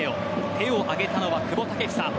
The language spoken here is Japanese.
手を上げたのは久保建英。